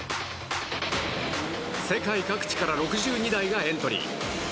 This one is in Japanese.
世界各地から６２台がエントリー。